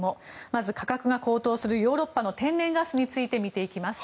まず価格が高騰するヨーロッパの天然ガスについて見ていきます。